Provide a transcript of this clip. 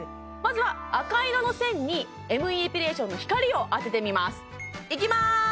まずは赤色の線にＭＥエピレーションの光を当ててみますいきまーす！